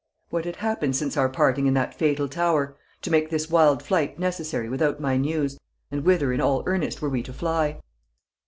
What had happened since our parting in that fatal tower, to make this wild flight necessary without my news, and whither in all earnest were we to fly?